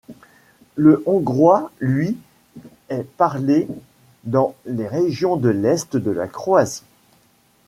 Le hongrois, lui, est parlé dans les régions de l'est de la Croatie.